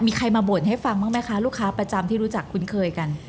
มีใครมาบ่นให้ฟังบ้างไหมคะลูกค้าประจำที่รู้จักคุ้นเคยกัน